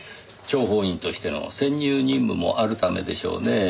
諜報員としての潜入任務もあるためでしょうねぇ。